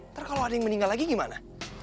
ntar kalau ada yang meninggal lagi gimana